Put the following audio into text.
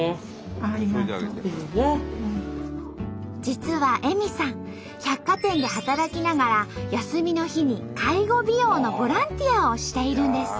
実は絵美さん百貨店で働きながら休みの日に介護美容のボランティアをしているんです。